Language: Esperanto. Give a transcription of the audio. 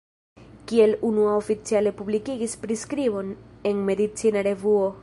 Li kiel unua oficiale publikigis priskribon en medicina revuo.